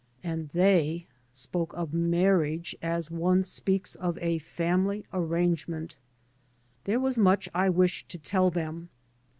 And they spoke of marriage as one speaks of a family arrange ment. There was much I wished to tell them.